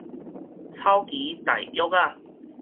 草其大約仔